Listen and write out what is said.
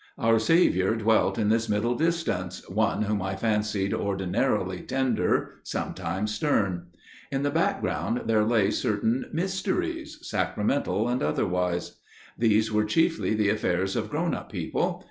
Our Saviour dwelt in this middle distance, one whom I fancied ordinarily tender, sometimes stern. In the background there lay certain mysteries, sacramental and otherwise. These were chiefly the affairs of grown up people.